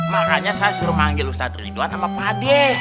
makanya saya suruh manggil ustadz ridwan sama pak ade